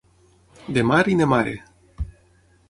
De mar i de mare.